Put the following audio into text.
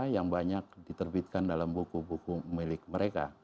yang banyak diterbitkan dalam buku buku milik mereka